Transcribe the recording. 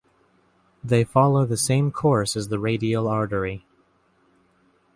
They follow the same course as the radial artery.